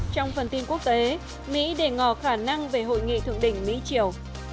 trong phần tin quốc tế mỹ đề ngò khả năng về hội nghị thượng đỉnh mỹ triều